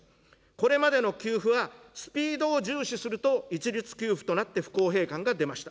これまでの給付は、スピードを重視すると一律給付となって不公平感が出ました。